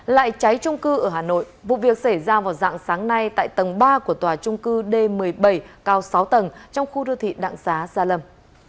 lại cháy trung cư ở hà nội vụ việc xảy ra vào dạng sáng nay tại tầng ba của tòa trung cư d một mươi bảy cao sáu tầng trong khu đô thị đặng xá gia lâm